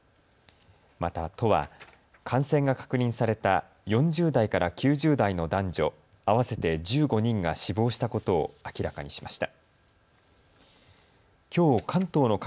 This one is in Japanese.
また都は感染が確認された４０代から９０代の男女合わせて１５人が死亡したことを明らかにしました。